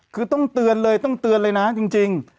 คือต้องเตือนเลยต้องเตือนเลยนะจริง